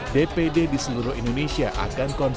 dpd di seluruh indonesia akan konsis